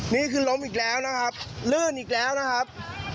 นี่คือล้มอีกแล้วนะครับลื่นอีกแล้วนะครับ